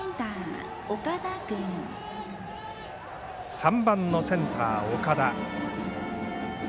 ３番のセンター、岡田。